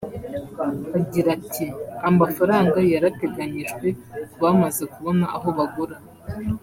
Agira ati “Amafaranga yarateganyijwe ku bamaze kubona aho bagura